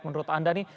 menurut anda nih